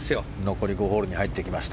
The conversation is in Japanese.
残り５ホールに入ってきました。